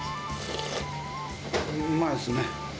うまいですね。